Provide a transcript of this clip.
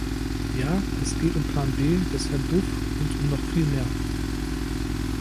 Ja, es geht um Plan B des Herrn Duff und um noch viel mehr.